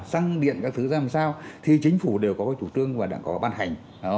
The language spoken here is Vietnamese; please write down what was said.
xăng điện các thứ ra làm sao thì chính phủ đều có chủ trương và có bàn hành